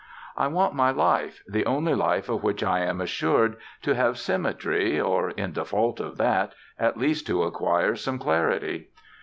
I want my life, the only life of which I am assured, to have symmetry or, in default of that, at least to acquire some clarity.